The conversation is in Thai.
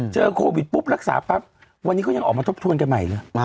เจอโควิดปุ๊บรักษาปั๊บวันนี้เขายังออกมาทบทวนกันใหม่เลย